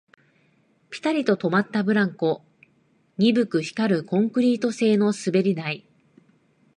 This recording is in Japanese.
ピタリと止まったブランコ、鈍く光るコンクリート製の滑り台